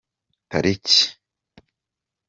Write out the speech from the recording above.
tariki